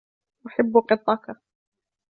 أحب قطك.